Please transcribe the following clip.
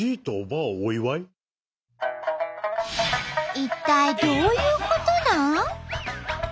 一体どういうことなん？